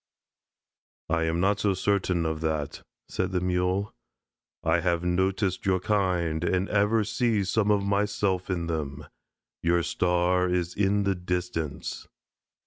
"I am not so certain of that," said the Mule. "I have noticed your kind and ever see some of myself in them. Your star is in the distance."